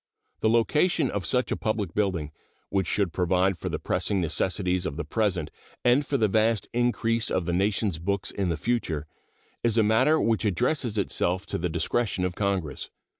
The location of such a public building, which should provide for the pressing necessities of the present and for the vast increase of the nation's books in the future, is a matter which addresses itself to the discretion of Congress.